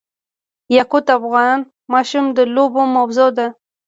یاقوت د افغان ماشومانو د لوبو موضوع ده.